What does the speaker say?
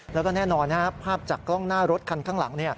แล้วก็แน่นอนภาพจากกล้องหน้ารถคันข้างหลัง